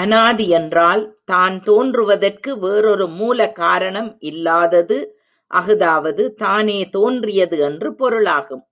அனாதி என்றால், தான் தோன்றுவதற்கு வேறொரு மூல காரணம் இல்லாதது அஃதாவது தானே தோன்றியது என்று பொருளாகும்.